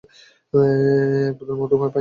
এক বোতল মদও পায়নি সে।